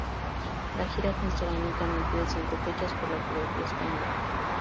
La gira constará únicamente de cinco fechas por la geografía española.